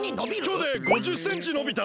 きょうで５０センチのびたの。